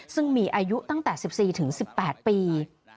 ซึ่งมีอายุตั้งแต่๑๔ถึง๑๘ปี